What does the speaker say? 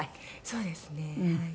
そうですね。